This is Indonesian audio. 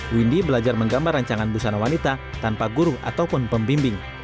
windy belajar menggambar rancangan busana wanita tanpa guru ataupun pembimbing